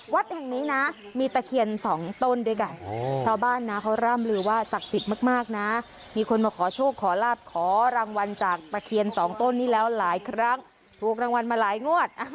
วัดแห่งนี้นะมีตะเคียนสองต้นด้วยกันชาวบ้านนะเขาร่ำลือว่าศักดิ์สิทธิ์มากนะมีคนมาขอโชคขอลาบขอรางวัลจากตะเคียนสองต้นนี้แล้วหลายครั้งถูกรางวัลมาหลายงวด